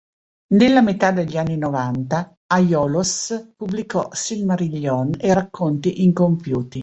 Nella metà degli anni novanta "Aiolos" pubblicò "Silmarillion" e "Racconti Incompiuti".